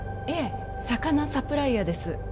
いえ魚サプライヤーです